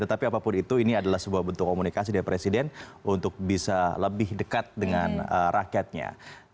tetapi apapun itu ini adalah sebuah bentuk komunikasi dari presiden untuk bisa lebih dekat dengan rakyatnya